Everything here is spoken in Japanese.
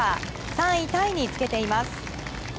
３位タイにつけています。